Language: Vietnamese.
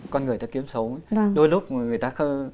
con người ta kiếm sống đôi lúc người ta